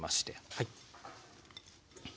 はい。